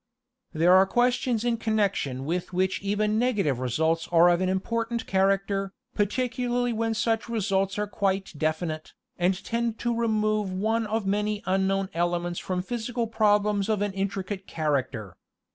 There are questions in connection with which even negative results are of an important character, particularly when such re sults are quite definite, and tend to remove one of many unknown elements from physical problems of an intricate character.